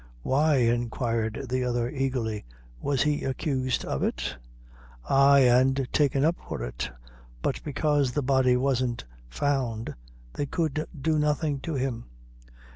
"Why," inquired the other, eagerly, "was he accused of it?" "Ay, an' taken up for it; but bekaise the body wasn't found, they could do nothing to him."